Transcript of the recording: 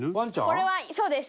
これはそうです。